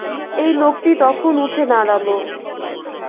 এই লোকটি তখন উঠে দাঁড়াল।